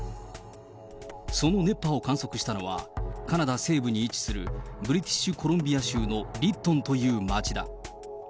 その熱波を観測したのは、カナダ西部に位置するブリティッシュコロンビア州のリットンという町だ。